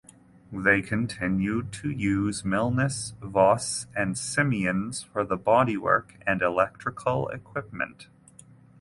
They continued to use Milnes Voss and Siemens for the bodywork and electrical equipment.